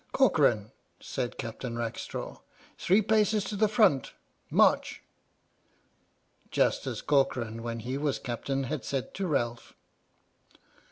" Corcoran," said Captain Rackstraw, " three paces to the front — march!" just as Corcoran, when he was a captain, had said to Ralph.